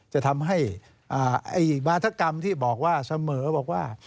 จะทำให้วาธกรรมที่บอกว่าเสมอบอกว่า